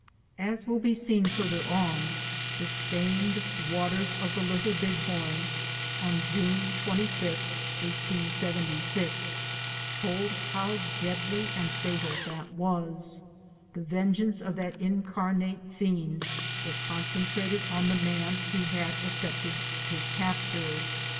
As will be seen further on, the stained waters of the Little Big Horn, on June 25, 1876, told how deadly and fatal that was. The vengeance of that incarnate fiend was concentrated on the man who had effected his capt ure.